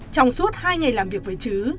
trong suốt hai ngày làm việc với trứ